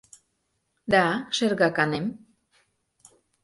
— Да, шергаканем.